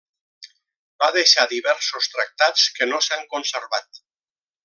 Va deixar diversos tractats que no s'han conservat.